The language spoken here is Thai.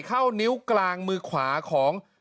เข้านิ้วกลางมือขวาของ